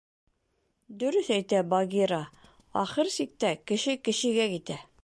Дөрөҫ әйтә Багира: ахыр сиктә кеше кешегә китә...